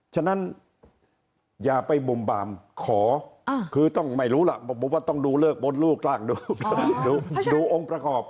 ฉะนั้นอย่าไปบุ่มบามขอคือต้องไม่รู้ล่ะผมว่าต้องดูเลิกมดลูกบ้างดูองค์ประกอบ